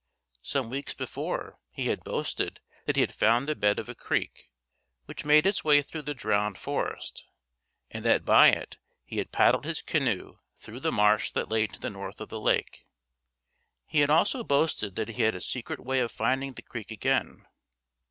Some weeks before he had boasted that he had found the bed of a creek which made its way through the drowned forest, and that by it he had paddled his canoe through the marsh that lay to the north of the lake. He had also boasted that he had a secret way of finding the creek again.